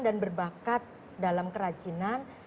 dan berbakat dalam kerajinan